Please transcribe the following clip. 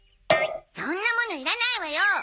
そんなものいらないわよ！